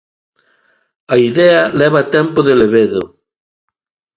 A idea leva tempo de levedo.